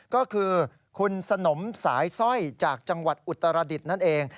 ก็คือคุณสนมสายสร้อยจากจังหวัดอุตรดิษฐ์นั่นเอง